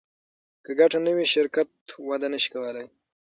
که ګټه نه وي شرکت وده نشي کولی.